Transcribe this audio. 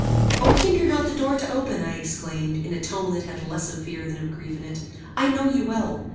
"O! hinder not the door to open," I exclaimed, in a tone that had less of fear than of grief in it. "I know you well.